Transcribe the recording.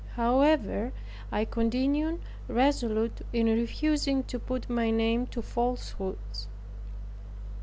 However, I continued resolute in refusing to put my name to falsehoods.